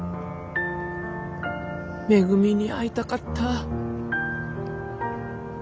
めぐみに会いたかった。